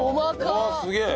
うわあすげえ！